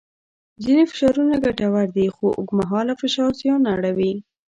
ځینې فشارونه ګټور دي خو اوږدمهاله فشار زیان اړوي.